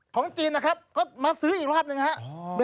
ของจีนนะครับก็มาซื้ออีกรอบหนึ่งครับ